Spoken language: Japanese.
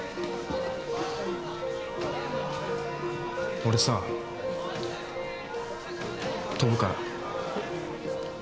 俺さ跳ぶから。